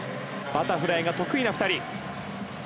バタフライが得意な２人。